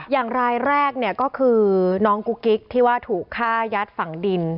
อย่างรายแรกเนี่ยก็คือน้องกุ๊กกิ๊กที่ว่าถูกฆ่ายัดฝั่งดิน